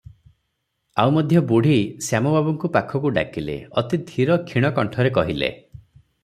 ଆଉ ମଧ୍ୟ ବୁଢ଼ୀ ଶ୍ୟାମ ବାବୁଙ୍କୁ ପାଖକୁ ଡାକିଲେ- ଅତି ଧୀର କ୍ଷୀଣ କଣ୍ଠରେ କହିଲେ-